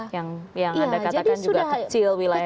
yang anda katakan juga kecil wilayah